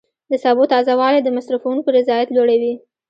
د سبو تازه والی د مصرفونکو رضایت لوړوي.